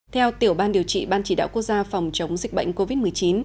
theo tiểu ban điều trị ban chỉ đạo quốc gia phòng chống dịch bệnh covid một mươi chín